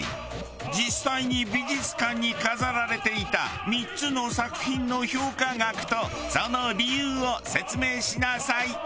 実際に美術館に飾られていた３つの作品の評価額とその理由を説明しなさい。